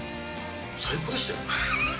最高でしたよ。